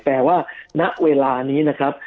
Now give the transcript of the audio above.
ว่าณเวลานี้นะครับ